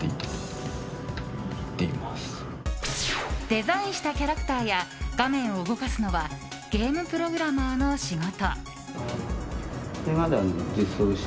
デザインしたキャラクターや画面を動かすのはゲームプログラマーの仕事。